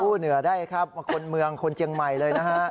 เหนือได้ครับมาคนเมืองคนเจียงใหม่เลยนะฮะ